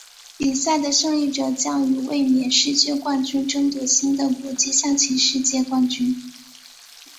比赛的胜利者将与卫冕世界冠军争夺新的国际象棋世界冠军。